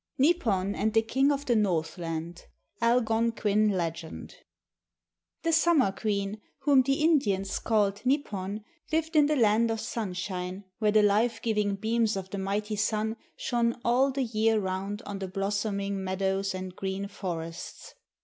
NIPON AND THE KING OF THE NORTHLAND (ALGONQUIN LEGEND) The Summer Queen whom the Indians called Nipon lived in the land of sunshine where the life giving beams of the mighty Sun shone all the year round on the blossoming meadows and green forests.